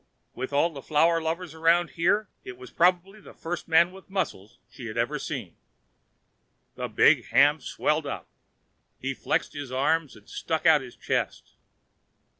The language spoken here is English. With all the flower lovers around here, it was probably the first man with muscles she had ever seen. The big ham swelled up. He flexed his arms and stuck out his chest.